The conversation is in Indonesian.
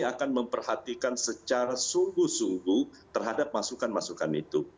kami akan memperhatikan secara sungguh sungguh terhadap masukan masukan itu